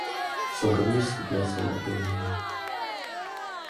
Jsou rovněž schopné samoopylení.